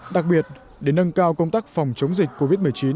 đặc biệt để nâng cao công tác phòng chống dịch covid một mươi chín